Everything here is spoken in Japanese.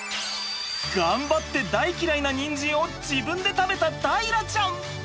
頑張って大嫌いなニンジンを自分で食べた大樂ちゃん！